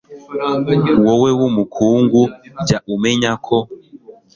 wowe w'umukungu, jya umenya ko